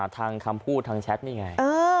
ทำคำพูดทำแชทนี่ไง